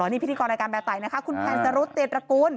แล้วนี่พิธีกรรายการแบร์ไตคุณแพนสะรุดเตรียมตระกูล